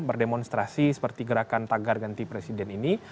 berdemonstrasi seperti gerakan tagar ganti presiden ini